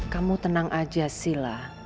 kamu tenang aja sila